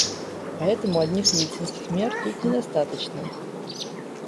Поэтому одних медицинских мер тут недостаточно.